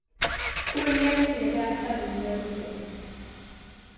kuɣ’ yɛlinli daa pa di noli zuɣu.